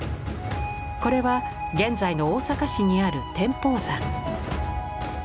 これは現在の大阪市にある天保山。